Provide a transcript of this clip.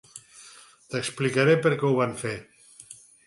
T'explicaré per què ho van fer.